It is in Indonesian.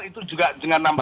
itu juga dengan nampak